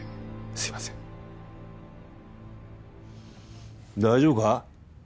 すいません大丈夫か？